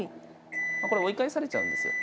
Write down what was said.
これ追い返されちゃうんですよ